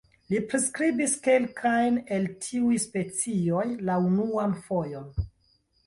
Li priskribis kelkajn el tiuj specioj la unuan fojon.